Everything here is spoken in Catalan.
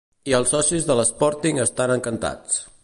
I els socis de l'Sporting estan encantats.